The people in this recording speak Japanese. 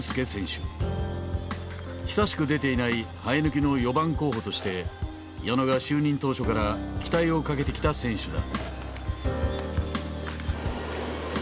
久しく出ていない生え抜きの４番候補として矢野が就任当初から期待をかけてきた選手だ。